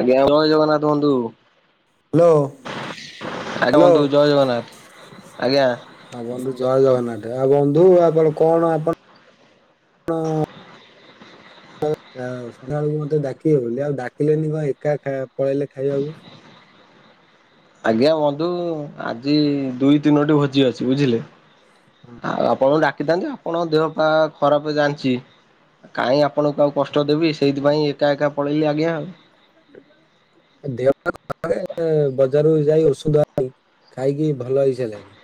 ଆଜ୍ଞା ଜୟ ଜଗନ୍ନାଥ ବନ୍ଧୁ। ହ୍ୟାଲୋ ଆଡ ହ୍ୟାଲୋ ବନ୍ଧୁ ଜୟ ଜଗନ୍ନାଥ, ଆଜ୍ଞା। ହଁ ବନ୍ଧୁ ଜୟ ଜଗନ୍ନାଥ, ଆଉ ବନ୍ଧୁ ଆପଣ କଣ ଆପଣ ହଁ। ସନ୍ଧ୍ୟାବେଳକୁ ମତେ ଡାକି ବୋଲି ଆଉ ଡାକିଲେନି କଣ ଏକା ଖା ପଳେଇଲେ ଖାଇବାକୁ? ଆଜ୍ଞା ବନ୍ଧୁ ଆଜି ଦୁଇ ତିନୋଟି ଭୋଜି ଅଛି ବୁଝିଲେ। ହଁ ଆଉ ଆପଣଙ୍କୁ ଡାକିଥାନ୍ତି ଆପଣଙ୍କ ଦେହ ପା ଖରାପ ଜାଣିଛି। କାଇହିଁ ଆପଣଙ୍କୁ ଆଉ କଷ୍ଟ ଦେବି ସେଇଥିପାଇଁ ଏକା ଏକା ପଳେଇଲି ଆଜ୍ଞା ଆଉ। [unintelligible] ବଜାରକୁ ଯାଇ ଔଷଧ ଆଣି ଖାଇକି ଭଲ ହେଇସାରିଲାଣି।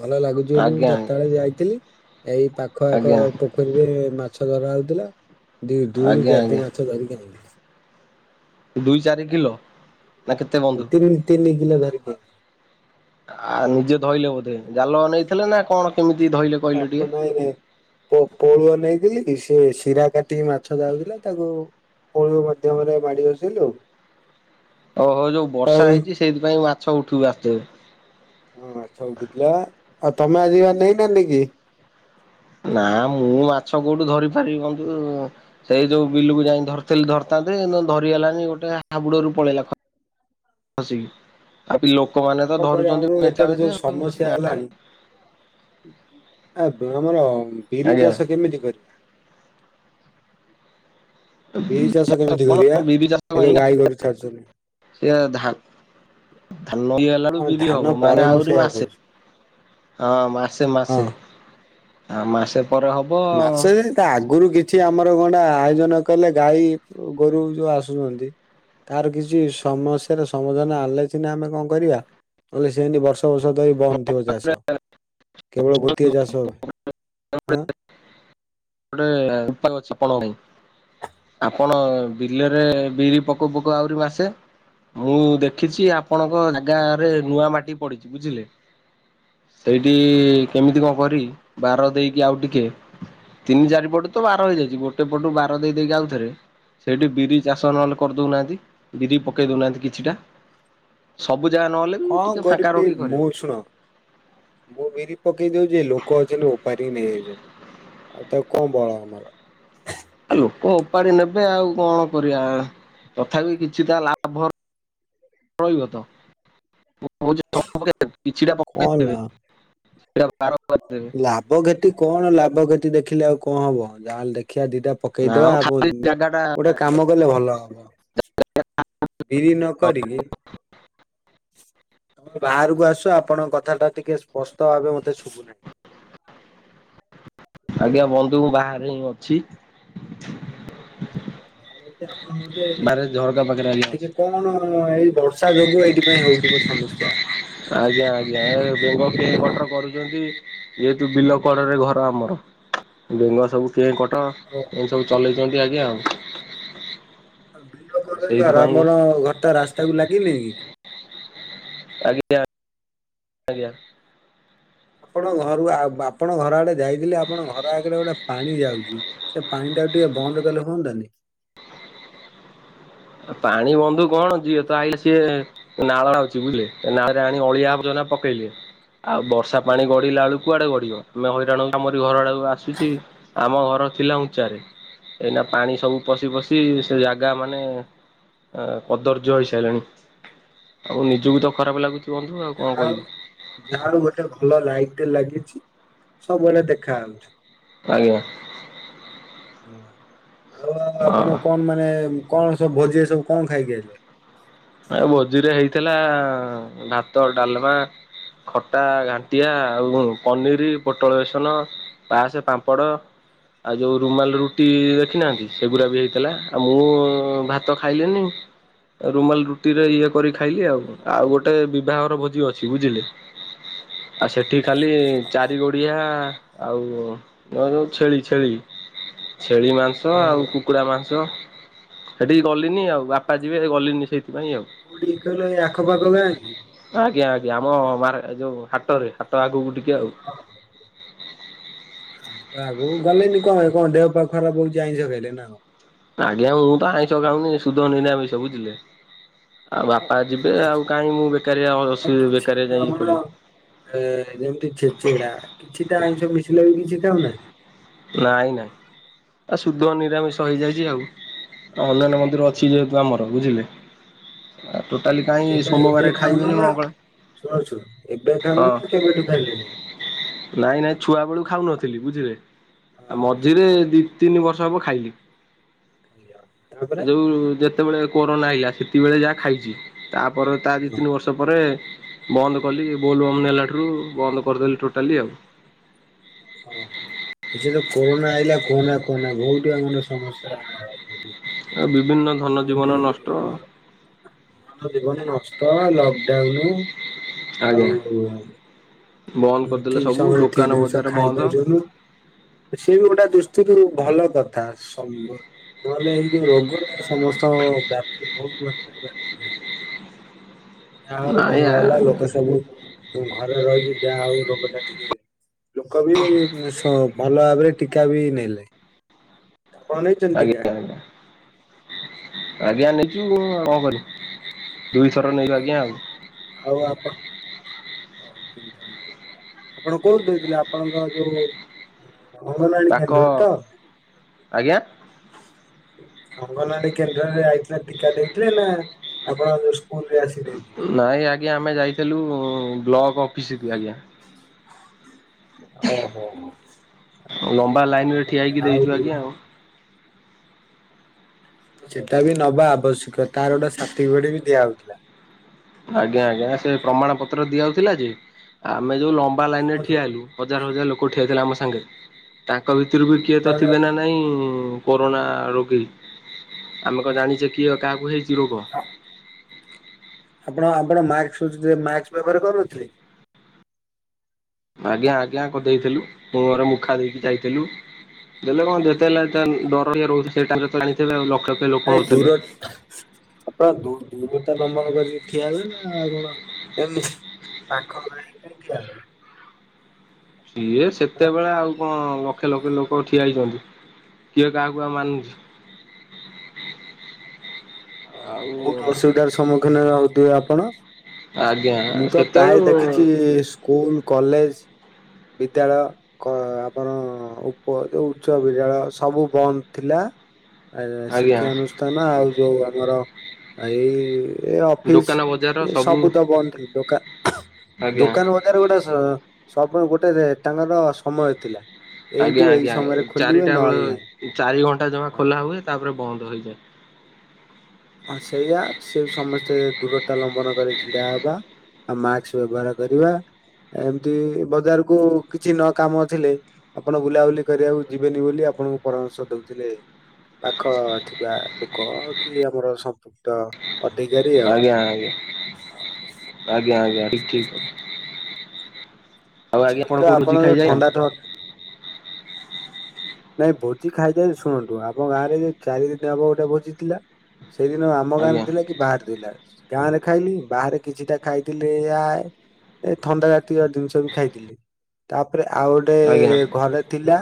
ଭଲ ଲାଗୁଛି ବୋଲି ମୁଁ ଆଜ୍ଞା ଚାରିଟା ବେଳେ ଯାଇଥିଲି ଏଇ ପାଖ ଆଖ ଆଜ୍ଞା ପୋଖରୀରେ ମାଛ ଧରା ହଉଥିଲା ଦୁ ଦୁଇରୁ ଆଜ୍ଞା ଚାରିଟି ଆଜ୍ଞା ମାଛ ଧରିକି ଆଣିଲି। ଦୁଇ ଚାରି କିଲୋ। ନା କେତେ ବନ୍ଧୁ? ତିନି ତିନି କିଲୋ ଧରିକି। ଆ ନିଜେ ଧଇଲେ ବୋଧେ ଜାଲ ନେଇଥିଲେ ନା କଣ କେମିତି ଧଇଲେ? କହିଲେ ଟିକେ? ପାପୁନ ଆଇ କାଇଁ? ପୋ ପୋଳୁଅ ନେଇଥିଲି ସେ ଶିରା କାଟି ମାଛ ଯାଉଥିଲା ତାକୁ ପୋଳ ମାଧ୍ୟମ ରେ ମାଡି ବସିଲି ଆଉ। ଓ ହୋ ଯୋଉ ବର୍ଷା ହେଇଛି ସେଇଥିପାଇଁ ମାଛ ଉଠିବି ଆସିଥିବେ। ହଁଛ ଉଠୁଥିଲା ଆଉ ତମେ ଆଜିିବା ନେଇ ନନ୍ତି କି? ନା ମୁଁ ମାଛ କୋଉଠୁ ଧରି ପାରିବି ବନ୍ଧୁ? ସେଇ ଯୋଉ ବିଲକୁ ଯାଇ ଧରିଥିଲ ଧରଥାନ୍ତେ ଧରିଗଲାନି ଗୋଟେ ହାବୁଡରୁ ପଳେଇଲା ଖ ଖସିକି, ଆ ଲୋକମାନେ ତ କଣ କରିବା ଆମର ଧରୁଛନ୍ତି ଏଠାରେ ଯୋଉ ମେଚାମେଚା ଆଉ ସମସ୍ୟା ଗାଁ ହେଲାଣି ଆ ବ ଆମର ବିରି ଆଜ୍ଞା ଚାଷ କେମିତି କରିବ? [unintelligible] ବିରି ଚାଷ କେମିତି କରିବା? ଏ ଯୋଉ ଗାଈ ଗୋରୁ ଛାଡୁଛନ୍ତି ସେ ଧା ଧାନ ଇଏ ହେଲାରୁ ହଁ ବିରି ଧାନ ହବ ମାନେ ପରେ ମୁଁ ଆହୁରି ସେଇଆ ମାସେ। କହୁଛି ହଁ ମାସେ ହଁ। ମାସେ ଆ ମାସେ ପରେ ହବ। ମାସେ ଯେ ତା ଆଗରୁ କିଛି ଆମର ଗଣ୍ଡା ଆୟୋଜନ କଲେ ଗାଈ ଗୋରୁ ଯୋଉ ଆସୁଛନ୍ତି। ତାର କିଛି ସମସ୍ୟାର ସମାଧାନ ଆଣିଲେ ସିନା ଆମେ କଣ କରିବା ନହଲେ ସେନି ବର୍ଷ ଔଷଧ ବି ବନ୍ଦ ଥିବ ଚାଷ କେବଳ ଗୋଟିଏ ଚାଷ ହୁଏ ଆଁ। ଗୋଟେ। [unintelligible] ଆପଣ ଆଁ। ବିଲରେ ବିରି ପକଉ ପକଉ ଆହୁରି ମାସେ। ମୁଁ ଦେଖିଛି ଆପଣଙ୍କ ଗାଁ ରେ ନୂଆ ମାଟି ପଡିଛି ବୁଝିଲେ। ସେଇଠି କେମିତି କଣ କରି ବାର ଦେଇକି ଆଉ ଟିକେ ତିନି ଚାରିପଟୁ ତ ବାର ହେଇଯାଇଛି ଗୋଟେ ପଟୁ ବାର ଦେଇକି ଆଉଥରେ ସେଇଠି ବିରି ଚାଷ ନହେଲେ କରିଦଉନାହାଁନ୍ତି ବିରି ପକେଇ ଦେଉନାହାନ୍ତି କିଛିଟା। ସବୁ ଜାଗା ନହେଲେ ବି କଣ ଟିକେ ଫାଙ୍କା କରିବି ରଖି ଖରେ। ମୁଁ ଶୁଣ ମୁଁ ବିରି ପକେଇ ଦଉଛି ଲୋକ ଅଛନ୍ତି ଉପାର କି ନେଇଯାଇଛନ୍ତି, ଆଉ ତାକୁ କଣ ବଳ ଆମର? ଆ, ଲୋକ ଉପାଡି ନେବେ ଆଉ କଣ କରିବା। ତଥାପି କିଛି ଟା ଲାଭ ରଇବ ତ। ମୁଁ ଯେ ସବୁ ପକେଇଦେବେ କିଛିଟା କଣ ପକେଇଦେବେ ଲା [inaudible] କରିଦେବେ। ଲାଭ କ୍ଷତି କଣ ଲାଭ କ୍ଷତି ଦେଖିଲେ ଆଉ କଣ ହବ। ଯାହାଲେ ଦେଖିବା ଦିଟା ନା ମ ପକେଇଦବା ଆଉ, ଖାଲି ଜାଗା ଟା ଗୋଟେ କାମ କଲେ ଭଲ ହବ। ବିରି ନ କରିକି। ବାହାରକୁ ଆସ ଆପଣଙ୍କ କଥା ଟା ଟିକେ ସ୍ପଷ୍ଟ ଭାବେ ମୋତେ ଶୁଭୁନାହିଁ। ଆଜ୍ଞା ବୁଝିପାରିଲେ। ବନ୍ଧୁ ମୁଁ ବାହାରେ ହିଁ ଅଛି। ବାହାରେ ଅଛି ଆପଣ ମୋତେ ବାହାରେ ଝରକା ପାଖରେ ଏ ଆଜ୍ଞା ଅଛି। ଟିକେ କଣ ହଁ ଏଇ ବର୍ଷା ଯୋଗୁ ଏଇଥିପାଇଁ ହଉଥୁବ ସମସ୍ୟା। ଆଜ୍ଞା ଆଜ୍ଞା ଏ ବେଙ୍ଗ କେଁ ବୁଝିପାରିଲେ। କଟର କରୁଚନ୍ତି। ଯେହେତୁ ବିଲ କଡରେ ଘର ଆମର ବେଙ୍ଗ ସବୁ କେଁ କଟ। [unintelligible] ଏମତି ସବୁ ଚଲେଇଚନ୍ତି ଆଜ୍ଞା ଆଉ। ହଁ ବିଲ କଡରେ ଘର। ସେଇଥିପାଇଁ ଆମର ଘରଟା ରାସ୍ତା କୁ ଲାଗିନି କି? ଆଜ୍ଞା, ଆଜ୍ଞା। ଆପଣ ଘରୁ ଆ, ଆପଣ ଘର ଆଡେ ଯାଇଥିଲି ଆପଣ ଘର ଆଗରେ ଗୋଟେ ପାଣି ଯାଉଚି। ସେ ପାଣି ଟାକୁ ଟିକେ ବନ୍ଦ କଲେ ହୁଅନ୍ତାନି। ଅ, ପାଣି ବନ୍ଧୁ କଣ ଯିଏ ତ ଆଇଲେ ସିଏ ଏ ନାଳ ଅଛି ବୁଝିଲେ, ଏ ନାଳରେ ଆଣି ଅଳିଆ ଆର୍ବଜନା ପକେଇଲେ। ଆଉ ବର୍ଷା ପାଣି ଗଡ଼ିଲାବେଳୁ କୁଆଡେ ଗଡ଼ିବ? ଆମେ ହଇରାଣ ଆମରି ଘର ଆଡକୁ ଆସୁଛି। ଆମ ଘର ଥିଲା ଉଞ୍ଚାରେ। ଏଇନା ପାଣି ସବୁ ପଶି ପଶି ସେ ଜାଗା ମାନେ ଆ, କଦର୍ଯ୍ୟ ହେଇସାରିଲାଣି। ଆଉ ନିଜକୁ ତ ଖରାପ ଲାଗୁଚି ବନ୍ଧୁ ଆଉ କଣ କହିବୁ। ଯାହାଡୁ ଗୋଟେ ଭଲ ଲାଇଟ୍ ଟେ ଲାଗିଛି ସବୁବେଳେେ ଦେଖାହଉଛୁ। ଆଜ୍ଞା। ଆଉ ଆପଣ ହଁ କଣ ମାନେ କଣ ସବୁ ଭୋଜିରେ ସବୁ କଣ ଖାଇକି ଆଇଲେ? ଏ ଭୋଜିରେ ହେଇଥିଲା ଭାତ, ଡାଲମା ଖଟା, ଘାଣ୍ଟିଆ ଆଉ ପନିରି, ପୋଟଳ ବେସନ। ପାସ, ପାମ୍ପଡ଼ ଆଉ ଯୋଉ ରୁମାଲ ରୁଟି ଦେଖି ନାହାନ୍ତି ସେଗୁରା ବି ହେଇଥିଲା। ଆଉ ମୁଁ ଭାତ ଖାଇଲିନି। ରୁମାଲ ରୁଟି ରେ ଇଏ କରି ଖାଇଲି ଆଉ। ଆଉ ଗୋଟେ ବିବାହର ଭୋଜି ଅଛି ବୁଝିଲେ। ଆଉ ସେଠି ଖାଲି ଚାରି ଗୋଡିଆ ଆଉ ନ ଯୋଉ ଛେଳି ଛେଳି ଛେଳି ମାଂ ସ, ଆଉ କୁକୁଡ଼ା ମାଂସ, ସେଠିକି ଗଲିନି ଆଉ ବାପା ଯିବେ ଗଲିନି ସେଇଥିପାଇଁ ଆଉ। କୋଉଠିକି କହିଲ ଏଇ ଆଖପାଖ ଗାଁ କି? ଆଜ୍ଞା ଆଜ୍ଞା ଆମ ମାରେ ଯୋଉ ହାଟ ରେ ହାଟ ଆଗକୁ ଟିକେ ଆଉ। ହ ତ ଆଗକୁ ଗଲେନି କଣ କଣ ଦେହ ପା ଖରାପ ହଉଚି ଆଇଁଷ ଖାଇଲେ ନା କଣ? ଆଜ୍ଞା ମୁଁ ତ ଆଇଁଷ ଖାଉନି ଏ ସୁଧ ନିରାମିଷ ବୁଝିଲେ। ଆଉ ବାପା ଯିବେ ଆଉ କାଇଁ ମୁଁ ବେକାରିଆ ଅ, କଣ ଅସୁ କିଛି ବେକାରିଆ ବି ଯାଇକି ଇଏ ଆମର କରିବି। ଏ ଯେମିତି ଛେଚେଡା କିଛିଟା ଆଇଁଷ ମିଶିଲା ବି କିଛି ଖାଉନାହାନ୍ତି? ନାଇଁ ନାଇଁ ଆ ସୁଧ ନିରାମିଷ ହେଇଯାଇଚି ଆଉ। ହନୁମାନ ମନ୍ଦିର ଅଛି ଯେହେତୁ ଆମର ବୁଝିଲେ। ଆ ଟୋଟାଲି କାଇଁକି କେବେ ଏବେ ସୋମବାରେ ଖାଉନ ଖାଇବିନି ନା ମଙ୍ଗଳ ଶୁଣ ଶୁଣ ଏବେ ଖାଉନ ହଁ ନା କେବେଠୁ ଖାଇଲେ ନାହିଁ? ନାଇଁ ନାଇଁ ଛୁଆ ବେଳୁ ଖାଉନଥିଲି ବୁଝିଲେ। ଆଉ ହଁ ମ ଝିରେ ଦି ତିନି ବର୍ଷ ହବ ଖାଇଲି। ଖାଇଲ ଏ ତାପରେ ଯୋଉ ଯେ ତେବେଳେ କୋରନା ଆଇଲା ସେତିକିବେଳେ ଯାହା ଖାଇଚି। ତାପର ତା ଦି ହଁ ତିନି ବର୍ଷ ପରେ ବନ୍ଦ କଲି ବୋଲ ବମ୍ ନେଲାଠାରୁ ବନ୍ଦ କରିଦେଲି ଟୋଟାଲି ଆଉ। ଓହୋ ଏଛ ତ କୋରୋନା ଆଇଲା କୁହନା କୁହନା ବହୁତ୍ ଆମର ସମସ୍ୟା। ଆଉ ବିଭିନ୍ନ ଧନ ଜୀବନ ନଷ୍ଟ। ଜନ ଜୀବନ ନଷ୍ଟ ଲକଡାଉନ ଆଜ୍ଞା ଆଉ ବନ୍ଦ ହ କରିଦେଲେ ଠିକ ସବୁ ସମୟରେ ଦୋକାନ ଠିକ ଜିନଷ ବଜାର ଖାଇ ବନ୍ଦ। ପାଇଲୁନୁ। ସିଏ ବି ଗୋଟେ ଦୁସ୍ତିରୁ ଭଲ କଥା ନହେଲେ ଏଇ ଯୋଉ ରୋଗର ସମସ୍ତ ବ୍ୟପ୍ ବହୁତ ମ ବପ ଯାହା ହଉ ନାଇଁ ଭଲ ହେଲା ଆଜ୍ଞା ଲୋକ ସବୁ ଘରେ ରହିକି ଯାହା ହଉ ରୋଗ ଟା ଟିକେ ଲୋକ ବି ସ-ଭଲ ଭାବରେ ଟୀକା ବି ନଲେ। ପଣନେଇଛନ୍ତି ଆଜ୍ଞା ଟିକା? ଆଜ୍ଞା ଆଜ୍ଞା ନେଇଛୁଉ କଣ କରିବି ଦୁଇଥର ନେଇଛୁ ଆଜ୍ଞା ଆଉ। ହଉ ଆପଣ ଆପଣ କୋଉଠି ଦେଇଥିଲେ ଆପଣଙ୍କ ଯୋଉ ଅଙ୍ଗନବାଡ଼ି ପାଖ କେନ୍ଦ୍ର ରେ ତ। ଆଜ୍ଞା ଅଙ୍ଗନବାଡି କେନ୍ଦ୍ରରେ ଆଇଥିଲେ ଟିକା ଦେଇଥିଲେ ନା ଆପଣ ଯଉ ନାଇଁ ଆଜ୍ଞା ଆମେ ଯାଇଥିଲୁ ବ୍ଲକ୍ ଅଫିସକୁ ଆଜ୍ଞା। [inaudible] ଓହୋ ହୋ ଲମ୍ବା ଲାଇନରେ ଆଉ ଠିଆ ହେଇକି ଦେଇଛୁ ଆଉ ଆଜ୍ଞା ସେଟା ବି ନବା ଆବଶ୍ୟକ ତାର ଗୋଟେ ସାର୍ଟିଫିକେଟ ଦିଆହଉଥିଲା। ଆଜ୍ଞା ଆଜ୍ଞା ସେ ପ୍ରମାଣ ପତ୍ର ଦିଆଯାଉଥିଲା ଯେ ଆମେ ଯୋଉ ଲମ୍ବା ଲାଇନରେ ଠିଆ ହେଲୁ ହଜାର ହଜାର ଲୋକ ଠିଆହେଇଥିଲେ ଆମ ସାଙ୍ଗେ ତାଙ୍କ ଭିତରୁ ବି କିଏ ତ ଥିବେ ନା ନାହିଁ କରୋନା ରୋଗୀ ଆମେ କଣ ଜାଣିଛେ କିଏ କାହାକୁ ହେଇଛି ରୋଗ? ଆପଣ ଆପଣ ମାସ୍କ ବ୍ୟବହାର କରୁନଥିଲେ? ଆଜ୍ଞା ଆଜ୍ଞା କହିଦେଇଥିଲୁ ମୁଁ ମୋର ମୁଖା ଦେଇକି ଯାଇଥିଲୁ। ଦେଲେ କଣ ଯେତେ ହେଲେ ତାର ଡର ରହୁଛି ସେଇଟାରେ ତ ଆଣିଥିବ ଆଉ ଲକ୍ଷ ଲୋକ ନାଇଁ ମରୁଥିଲେ। ଦୂର ଆପଣ ଦୁ ଦୂରତା ଲମ୍ବନ କରିକି ଠିଆ ହେଲେ ନା ଆଉ କଣ ଏମି ପାଖ [unintelligible] ସିଏ ସେତେବେଳେ ଆଉ କଣ ଲକ୍ଷେ ଲକ୍ଷେ ଲୋକ ଠିଆ ହେଇଛନ୍ତି କିଏ କାହାକୁ ଆଉ ମାନୁଛି? ଆଉ ବହୁତ ଅସୁବିଧାର ସମ୍ମୁଖୀନ ହଉଥିବେ ଆପଣ। ଆଜ୍ଞା ମୁଁ ତ ସେତେବେଳୁ ପ୍ରାୟ ଦେଖିଛି ସ୍କୁଲ କଲେଜ ବିଦ୍ୟାଳୟ ଆପଣ ଉପ ଯୋଉ ଉଚ୍ଚ ବିଦ୍ୟାଳୟ ସବୁ ବନ୍ଦ ଥିଲା। ଆ ଆଜ୍ଞା ଶିକ୍ଷାାନୁଷ୍ଠାନ ଆଉ ଯୋଉ ଆମର ଏଇ ଏ ଦୋକାନ ବଜାର ଅଫିସ ଏ ସବୁ ତ ବନ୍ଦ ଦୋକାନ ଆଜ୍ଞା ଦୋକାନ ଗୋଟେ ସ ଗୋଟେ ଟଙ୍କାର ସମୟ ଥିଲା। ଆଜ୍ଞା ଏଇଠୁ ଏଇ ଆଜ୍ଞା ସମୟରେ ଖୋଲିବେ ଚାରିଟା ବେଳେ ନହେଲେ ନାହିଁ। ଚାରି ଘଣ୍ଟା ଜମା ହଁ ଖୋଲା ହୁଏ ତାପରେ ବନ୍ଦ ହୁଏ। ହଁ ସେଇଆ ସିଏ ସମସ୍ତେ ଦୂରତା ଲମ୍ବନ କରି ଛିଡା ହବା। ଆଉ ମାସ୍କ ବ୍ୟବହାର କରିବା ଏମିତି ବଜାରକୁ କିଛି ନ କାମ ଥିଲେ ଆପଣ ବୁଲାବୁଲି କରିବାକୁ ଯିବେନି ବୋଲି ଆପଣଙ୍କୁ ପରାମର୍ଶ ଦଉଥିଲେ। ପାଖ ଥିବା ଲୋକ କି ଆମର ସମ୍ପୃକ୍ତ ଅଧିକାରୀ ଆଉ। ଆଜ୍ଞା ଆଜ୍ଞା। ଆଜ୍ଞା ଆଜ୍ଞା ଠିକ ଆଉ ଆଜ୍ଞା ସେଇ କଣ ତ ଆପଣ କୋଉଠଉଛି ଯୋଉ ଖାଇଯାଏ। ଥଣ୍ଡା ଥ ନାଇଁ ଭୋଜି ଖାଇକି ଆଇଲି ଶୁଣନ୍ତୁ ଆମ ଗାଁରେ ଯୋଉ ଚାରି ଦିନ ହବ ଗୋଟେ ଭୋଜି ଥିଲା ସେଇଦିନ ଆମ ଗାଁ ରେ ଆଜ୍ଞା ଥିଲା କି ବାହାରେ ଥିଲା ଗାଁ ରେ ଖାଇଲି ବାହାରେ କିଛିଟା ଖାଇଥିଲି ଆଏ ଏ ଥଣ୍ଡା ଜାତୀୟ ଜିନିଷ ବି ଖାଇଥିଲି ତାପରେ ଆଉ ଗୋଟେ ଆଜ୍ଞା ଘରେ ଥିଲା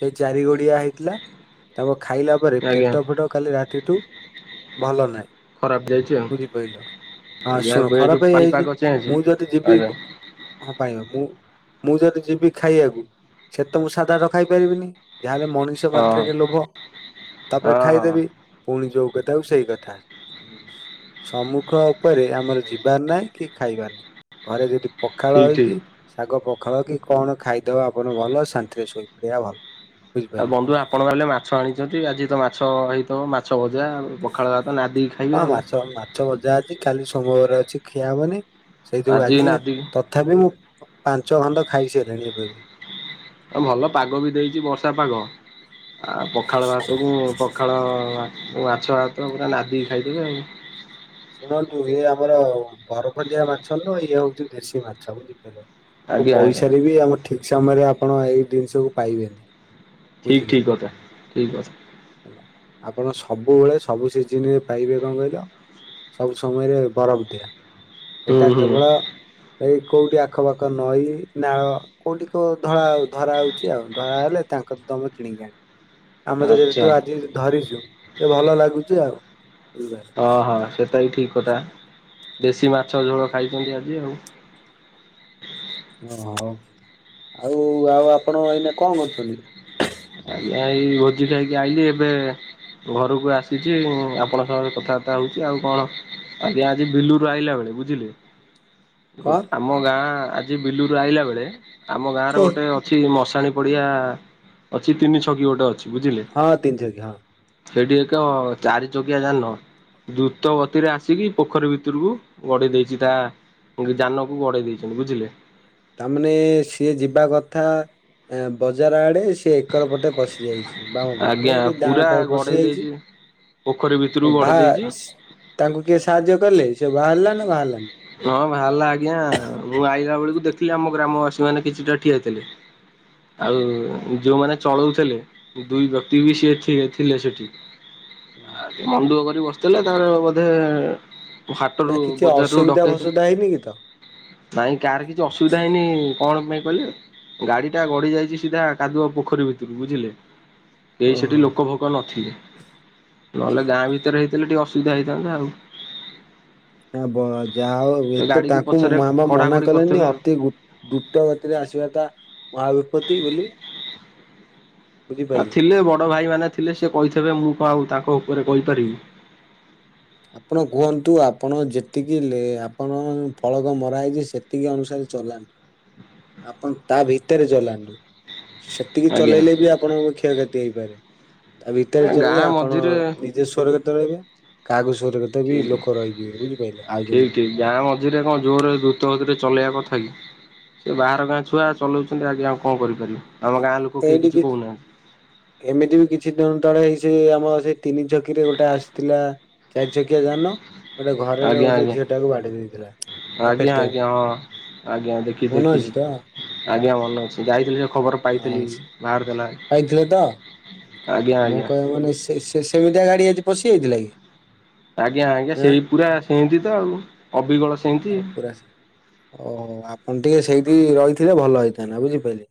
ସେଇ ଚାରି ଗୋଡିଆ ହେଇଥିଲା ତାଙ୍କୁ ଖାଇଲା ପରେ ଆଜ୍ଞା ପେଟ ଫେଟ କାଲି ରାତିଠୁ ଭଲ ନାହିଁ। ଖରାପ ଯାଇଛି ଆଉ। ବୁଝିପାରିଲ। ହଁ ଆଜ୍ଞା ଶୁଣ ଏବେ ଯୋଉ ଖରାପ ହେଇଯାଇଚି। ପାଣିପାଗ ଚେଞ୍ଜ ମୁଁ ଯଦି ଯିବି ଆଜ୍ଞା ହଁ ପାଇବା ମୁଁ ମୁଁ ଯଦି ଯିବି ଖାଇବାକୁ ସେ ତ ମୁଁ ସାଧା ତ ଖାଇପାରିବିନି। ଯାହା ହେଲେ ମଣିଷ ହଁ ମାତ୍ରକେ ଲୋଭ ତା ପରେ ହଁ ହଁ ଖାଇଦେବି। ପୁଣି ଯୋଉ କଥା ଆଉ ସେଇ କଥା। ସମ୍ମୁଖ ଉପରେ ଆମର ଯିବାର ନାହିଁ କି ଖାଇବାର ନାଇଁ। ଘରେ ଯଦି ପଖାଳ ଠିକ ଠିକ। ହେଇଚି ଶାଗ ପଖାଳ କି କଣ ଖାଇଦବା ଆପଣ ଭଲ ଶାନ୍ ନ୍ତି ରେ ଶୋଇପଡ଼ିବା ଭଲ। ଆଉ ବୁଝିପାରିଲେ। ବନ୍ଧୁ ଆପଣ କାଳେ ମାଛ ଆଣିଚନ୍ତି। ଆଜି ତ ମାଛ ହେଇଥିବ ମାଛ ଭଜା ପଖାଳ ଭାତ ନାଦି ହଁ ମାଛ ମାଛ ଭଜା ଅଛି କାଲି ସୋମବାର ଅଛି ଖିଆ ହବନି। ସେଇ ଯୋଗୁଁ ଆଜି ତ ଥାପି ମୁଁ ପାଞ୍ଚ ଖଣ୍ଡ ଖାଇ ସାରିଲିଣି ଏବେ ବି। ଏ ଭଲ ପାଗ ବି ଦେଇଚି ବର୍ଷା ପାଗ। ଆ ପଖାଳ ଭାତକୁ ପଖାଳ ଏ ମାଛ, ଭାତ ପୁରା ନାଦିକି ଖାଇଦେବେ ଆଉ। ଶୁଣନ୍ତୁ ଇଏ ଆମର ବରଫଦିଆ ମାଛ ନୁହଁ ଇଏ ହଉଚି ଦେଶୀ ମାଛ। ଆକୁ ଆଜ୍ଞା ଆଜ୍ଞା ପଇସାରେ ବି ଆମ ଠିକ ସମୟରେ ଆପଣ ଏଇ ଜିନିଷକୁୁ ପାଇବେନି। ଠିକ୍ ବୁଝିଲେ। ଠିକ୍ କଥା ଠିକ୍ କଥା। ଆପଣ ସବୁବେଳେ ସବୁ ସିଜିନ୍ ରେ ପାଇବେ କଣ କହିଲ? ସବୁ ସମୟରେ ବରଫ ଦିଆ ହୁଁ ଏଟା ହୁଁ କେବଳ ଏଇ କୋଉଠି ଆଖପାଖ ନଈ, ନାଳ କୋଉଠି କୋଉ ଧଳା ଧରା ହଉଚି ଆଉ ଧରା ହେଲେ ତାଙ୍କ ତମେ କିଣିକି ଆଣିବ। ଆମେ ତ ଯେଦେ ଆଚ୍ଛା। ତୁ ଆଜି ଧରିଚୁ ତେ ଭଲ ଲାଗୁଚ ଆଉ। ବୁଝିପାଇ ଓଃହ ସେଟା ବିି ଠିକ୍ କଥା ଦେଶୀ ମାଛ ଝୋଳ ଖାଇଚନ୍ତି ଆଜି ଆଉ। ଓଃ ହଉ ଆଉ ଆଉ ଆପଣ ଏଇନା କଣ କରୁଚନ୍ତି? ଆଜ୍ଞା ଏଇ ଭୋଜି ଯାଇକି ଆଇଲିି ଏବେ ଘରୁକୁ ଆସିଚି ଉଁ ଆପଣଙ୍କ ସାଙ୍ଗରେ କଥାବାର୍ତ୍ତା ହଉଚି। ଆଉ କଣ? ଆଜ୍ଞା ଆଜି ବିଲୁରୁୁ ଆଇଲା ବେଳେ ବୁଝିଲେ? କଣ? ଗୋଟ୍ ଆମ ଗାଁ ଆଜି ବିଲୁରୁ ଆଇଲା ବେଳେ ଆମ ଗାଁ ର ଗୋଟେ ଛି ମଶାଣି ପଡ଼ିଆ ଅଛି ତିନି ଛକି ଗୋଟେ ଅଛି ବୁଝିଲେ। ହଁ ତିନି ଛକି ହଁ ସେଇଠି ଏକ ଚାରି ଚକିଆ ଯାନ ଦ୍ରୁତ ଗତିରେ ଆସିକି ପୋଖରୀ ଭିତରକୁ ଗଡ଼େଇ ଦେଇଚି ତା ଯାନକୁ ଗଡ଼େଇ ଦେଇଚେନ୍ତି ବୁଝିଲେ? ତା ମାନେ ସିଏ ଯିବା କଥା ଏଁ ବଜାର ଆଡ଼େ ସି ସିଏ ଏକର ପଟେ ପଶି ଯାଇଚି। ବାମ ପାଖେ ଆଜ୍ଞା କି ପୁରା ଡାହାଣ ପାଖରେ ଗଡେଇ ପଶି ଯାଇଚି। ଦେଇଛି ପୋଖରୀ ଭିତରକୁ ଗଡ଼େଇ ଦେଇଚି। ତାଙ୍କୁ କିଏ ସାହାଯ୍ୟ କଲେ। ସେ ବାହାରିଲା ନା ବାହାରିଲାନି? ହଁ ଭାରିଲା ଆଜ୍ଞା ମୁଁ ଆଇଲା ବେଳକୁ ଦେଖିଲି ଆମ ଗ୍ରାମବାସୀ ମାନେ କିଛିଟା ଠିଆ ହେଇଥିଲେ। [inaudible] ଆଉ ହଁ ଯୋଉମାନେ ଚଳଉଥିଲେ ଦୁଇ ବ୍ୟକ୍ତି ବି ହୁଁ। ସିଏ ଥି-ଥିଲେ ସେଠି। [inaudible] ମନଦୁଃଖ କରି ବସିଥିଲେ ତା ର ବୋଧେ ନା ହାଟରୁ କିଛି ବଜାରରୁ ଅସୁବିଧା ଡକେଇଥିଲେ ଭସୁଦା ହେଇନି କିଛି ତ? ନାଇଁ କାହାର କିଛି ଅସୁବିଧା ହେଇନି। କଣ ପାଇଁ କହିଲେ? ଗାଡି ଟା ଗଡିି ଯାଇଚି ସିଧା କାଦୁଅ ପୋଖରୀ ଭିତରୁ ବୁଝିଲେ? କେହି ସେଠି ଲୋକ ଫୋକ ନଥିଲେ ନହେଲେ ଗାଁ ଭିତରେ ହେଇଥିଲେ ଟିକେ ଅସୁବିଧା ହେଇଥାନ୍ତା ଆଉ। ନା ବ ଯା ହଉ ଏ ଏତେ ଗାଡିିକି ତାଙ୍କୁ ପଛରେ ଆମ ମନା କଢାକଢି କଲେଣି କରିଥିବେ ଆଉ। ଅତି ଦୁତ୍ ଦ୍ରୁତ ଗତିରେ ଆସିବା ଟା ମହାବିପତି ବୋଲି। ଆ ବୁଝିପାରିଲେ। ଥିଲେ ବଡ ଭାଇମାନେେ ଥିଲେ ସେ କହିଥିବେ ମୁଁ କଣ ଆଉ ତାଙ୍କ ଉପରେ କହିପାରିବି। ଆପଣ କୁହନ୍ତୁ ଆପଣ ଯେତିକି ଲେ ଆପଣ ଫଳକ ମରା ହେଇଚି ସେତିକି ଅନୁସାରେ ଚଲାନ୍ ଆପଣ ତା ଭିତରେ ଚଲାନ୍ତୁ। ସେତିକି ଆଜ୍ଞା ଚଲେଇଲେ ବି ଆପଣଙ୍କ କ୍ଷୟକ୍ଷତି ହେଇପାରେ। ତା ଭିତରେ ଚଲେଇଲେ ଗାଁ ଆପଣ ମଝିରେ ନି ଦେଶ ସ୍ୱରଗତ ରହିବେ କାହାକୁ ସ୍ୱରଗତ ବି ଠିକ ଲୋକ ରହିଯିବେ ବୁଝିପାଇଲ ଆଉ ଠିକ ଜଣେ ଠିକ ଗାଁ ମଝିରେ କଣ ଜୋରରେ ଦ୍ରୁତଗତିରେ ଚଲେଇବା କଥା କି? ସେ ବାହାର ଗାଁ ଛୁଆ ଚଲଉଛନ୍ତି ଆଜ୍ଞା ଆଉ କଣ କରିପାରିବୁ ଆମ ଗାଁ ଲୋକ କେହି ଏଇଠି କି କିଛି କହୁନାହାନ୍ତି। ଏମିତି ବି କିଛି ଦିନ ତଳେ ହେଇ ସେ ଆମର ସେଇ ତିନି ଛକିରେ ଗୋଟେ ଆସିଥିଲା। ଚାରି ଚକିଆ ଯାନ ଗୋଟେ ଘରରେ ଆଜ୍ଞା ଗୋଟେ ଆଜ୍ଞା ଝିଅ ଟାକୁ ବାଡ଼େଇ ଦେଇଥିଲା। ତା ଆଜ୍ଞା ପେଟରେ ଆଜ୍ଞା ହଁ ଆଜ୍ଞା ଦେଖି ମନେ ଦେଖିଛି। ଅଛି ତ ଆଜ୍ଞା ମନେ ଅଛି ଯାଇଥିଲି ସେ ଖବର ପାଇଥିଲି ବାହାରିଥିଲା ପାଇଥିଲେ ତ ଆଜ୍ଞା ମୁଁ ଆଜ୍ଞା। କହିବା ମାନେ ସେ ସ୍ ସେମିତିଆ ଗାଡ଼ି ଆଜି ପଶିଯାଇଥିଲା କି? ଆଜ୍ଞା ଆଜ୍ଞା ଆଁ ସେଇ ପୁରା ସେମତି ତ ଆଉ ଅବିକଳ ସେମତି। ଓହ ଆପଣ ଟିକେ ସେଇଠି ରହିଥିଲେ ଭଲ ହେଇଥାନ୍ତା ବୁଝିପାରିଲେ।